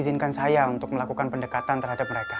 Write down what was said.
izinkan saya untuk melakukan pendekatan terhadap mereka